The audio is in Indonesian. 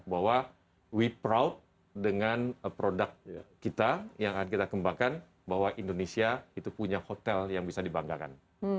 bahwa we proud dengan produk kita yang akan kita kembangkan bahwa indonesia itu punya hotel yang bisa dibanggakan